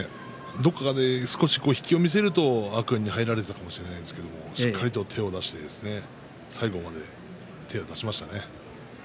どこかで少し引きを見せると天空海に入られたかもしれませんがしっかりと手を出して最後まで手を出していきましたね。